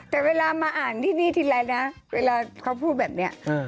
แต่เวลามาอ่านที่นี่ทีไรนะเวลาเขาพูดแบบนี้